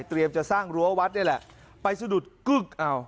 จะสร้างรั้ววัดนี่แหละไปสะดุดกึ๊กเอา